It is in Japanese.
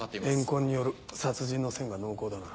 怨恨による殺人の線が濃厚だな。